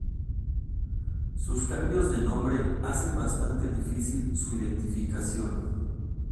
Sus cambios de nombre hacen bastante difícil su identificación.